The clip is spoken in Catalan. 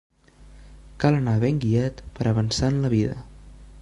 Cal anar ben guiat per avançar en la vida.